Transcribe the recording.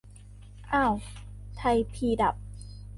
อ้าว ไทยพีดับ